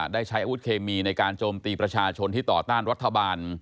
ได้ใช้อาวุธเคมีในการโจมตีประชาชนที่ต่อต้านรัฐบาล